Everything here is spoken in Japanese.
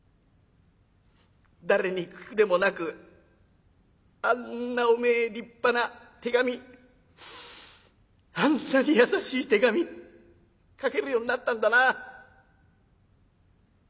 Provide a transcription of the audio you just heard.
誰に聞くでもなくあんなおめえ立派な手紙あんなに優しい手紙書けるようになったんだな。